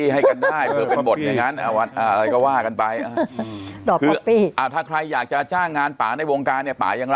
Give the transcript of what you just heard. หรือว่าไปเป็นคุณห่าง